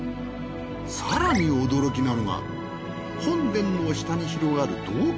更に驚きなのが本殿の下に広がる洞窟。